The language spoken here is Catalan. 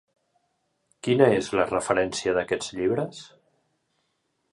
Quina és la referència d'aquests llibres?